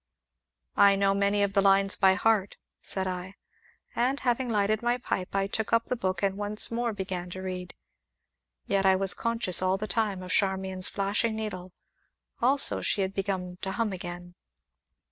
"I know many of the lines by heart," said I. And having lighted my pipe, I took up the book, and once more began to read. Yet I was conscious, all the time, of Charmian's flashing needle, also she had begun to hum again.